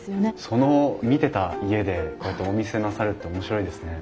その見てた家でこうやってお店なさるって面白いですね。